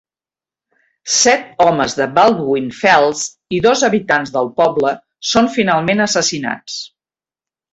Set homes de Baldwin-Felts i dos habitants del poble són finalment assassinats.